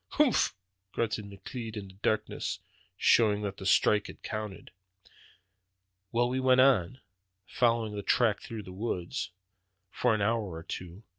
"Humph!" grunted McLeod in the darkness, showing that the strike had counted. "Well, we went on, following that track through the woods, for an hour or two.